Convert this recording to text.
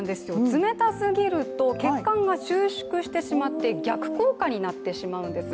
冷たすぎると血管が収縮してしまって逆効果になってしまうんです。